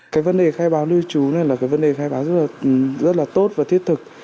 cái vấn đề khai báo lưu trú này là cái vấn đề khai báo rất là tốt và thiết thực